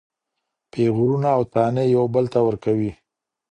پیغورونه او طعنې يو بل ته ورکوي.